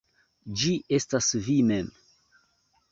Ĝi estas vi mem.